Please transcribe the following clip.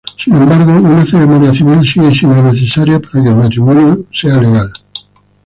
Sin embargo, una ceremonia civil sigue siendo necesario para que el matrimonio legal.